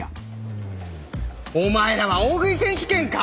お前らは大食い選手権か！